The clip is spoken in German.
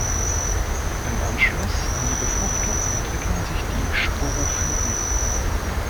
Im Anschluss an die Befruchtung entwickeln sich die Sporophyten.